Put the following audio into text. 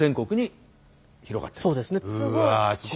そうですね。